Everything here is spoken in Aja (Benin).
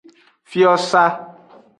Fiosa.